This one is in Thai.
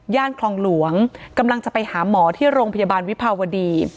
คลองหลวงกำลังจะไปหาหมอที่โรงพยาบาลวิภาวดี